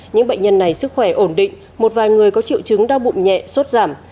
những bệnh nhân này sức khỏe ổn định một vài người có triệu chứng đau bụng nhẹ suốt giảm